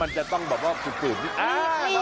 มันจะต้องแบบว่าขูดนิดนึง